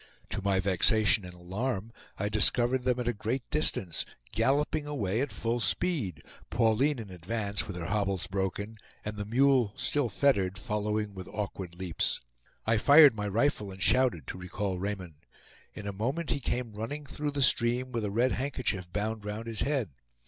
To my vexation and alarm I discovered them at a great distance, galloping away at full speed, Pauline in advance, with her hobbles broken, and the mule, still fettered, following with awkward leaps. I fired my rifle and shouted to recall Raymond. In a moment he came running through the stream, with a red handkerchief bound round his head.